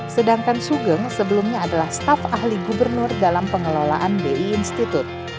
sedangkan sugeng sebelumnya adalah staf ahli gubernur dalam pengelolaan bi institute